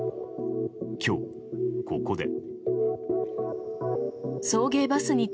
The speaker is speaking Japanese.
今日、ここで。